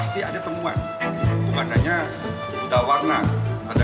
cukup ya masih ada